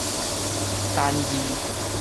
單字